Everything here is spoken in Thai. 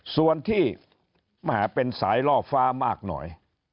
ส่วนที่เป็นสายล่อฟ้ามากหน่อย